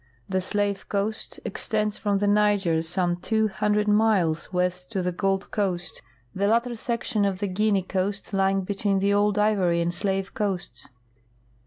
The Slave coast extends from the Niger some 200 miles west to the Gold coast, the latter section of the Guinea coast lying between the old Ivory and Slave coasts.